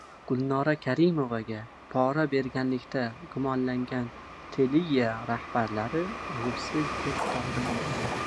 Gulnora Karimovaga pora berganlikda gumonlangan «Telia» rahbarlari aybsiz deb topildi